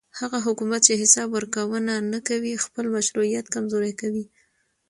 هغه حکومت چې حساب ورکوونه نه کوي خپل مشروعیت کمزوری کوي